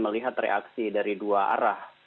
melihat reaksi dari dua arah